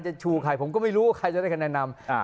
จะชูใครผมก็ไม่รู้ว่าใครจะได้คะแนะนำอ่า